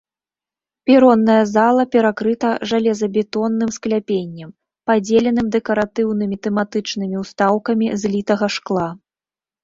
Перонная зала перакрыта жалезабетонным скляпеннем, падзеленым дэкаратыўнымі тэматычнымі ўстаўкамі з літага шкла.